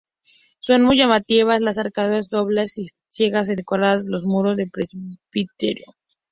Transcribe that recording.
Son muy llamativas las arcadas dobles y ciegas que decoran los muros del presbiterio.